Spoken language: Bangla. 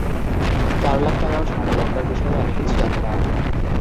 চার লাখ টাকা ও স্বর্ণালংকার বিষয়ে আমি কিছু জানি না।